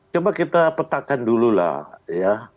coba kita petakan dululah ya